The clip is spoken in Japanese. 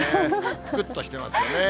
ぷくっとしてますよね。